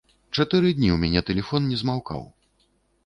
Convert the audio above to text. Чатыры дні ў мяне тэлефон не змаўкаў.